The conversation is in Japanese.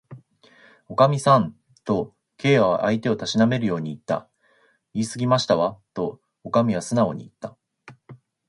「おかみさん」と、Ｋ は相手をたしなめるようにいった。「いいすぎましたわ」と、おかみはすなおにいった。